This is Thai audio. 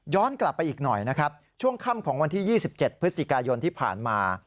กลับไปอีกหน่อยนะครับช่วงค่ำของวันที่๒๗พฤศจิกายนที่ผ่านมา